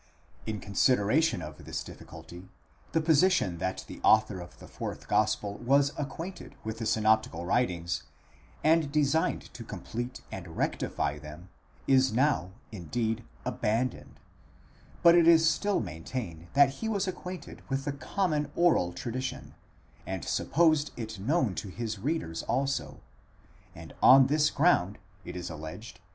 In consideration of this difficulty, the position that the author of the fourth gospel was acquainted with the synoptical writings, and designed to complete and rectify them, is now, indeed, abandoned ; but it is still main tained that he was acquainted with the common oral tradition, and supposed it known to his readers also, and on this ground, it is alleged.